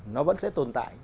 nó vẫn sẽ tồn tại